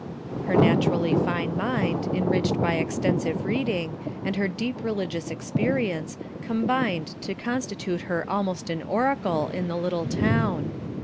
Her naturally fine mind, enriched by extensive reading, and her deep religious experience, combined to constitute her almost an oracle in the little town.